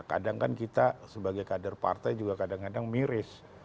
kadang kan kita sebagai kader partai juga kadang kadang miris